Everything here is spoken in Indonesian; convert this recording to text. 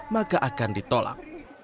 maka akan ditolak